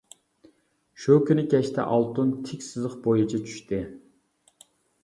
شۇ كۈنى كەچتە ئالتۇن تىك سىزىق بويىچە چۈشتى.